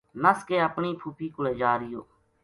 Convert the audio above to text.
نس کے اپنی پھوپھی کولے جا رہیو